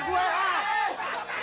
lupa engga engga engga